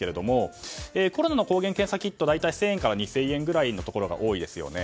コロナの抗原検査キット大体１０００円から２０００円くらいのところが多いですよね。